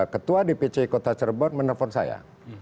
ketua dpc kota cirebon menelpon saya